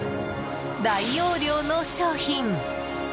大容量の商品！